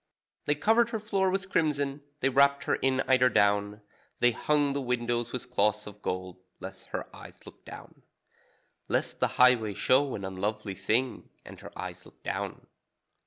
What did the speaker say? They covered her floor with crimson, they wrapped her in eiderdown; They hung the windows with cloth of gold, lest her eyes look down; (Lest the highway show an unlovely thing And her eyes look down.)